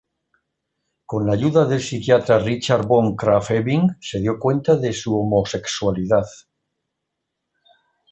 Con la ayuda del psiquiatra Richard von Krafft-Ebing, se dio cuenta de su homosexualidad.